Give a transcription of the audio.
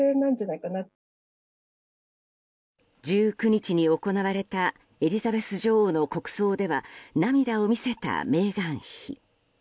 １９日に行われたエリザベス女王の国葬では涙を見せたメーガン妃。